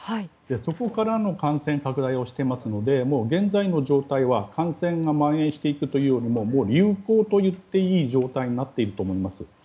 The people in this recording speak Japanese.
そこからの感染拡大をしていますので現在の状態は感染がまん延していくというより流行といえる状態になっていると思います。